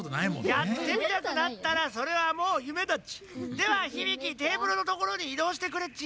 やってみたくなったらそれはもう夢だっち！ではヒビキテーブルのところにいどうしてくれっち。